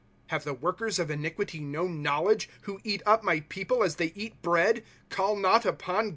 * Have the workers of iniquity no knowledge, Who eat up my people as they eat bread, Call not upon God